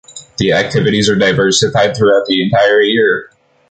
The activities are diversified throughout the entire year.